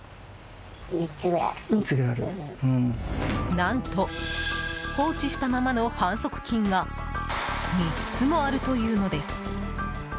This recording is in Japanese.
何と、放置したままの反則金が３つもあるというのです。